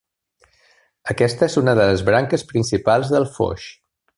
Aquesta és una de les branques principals del Foix.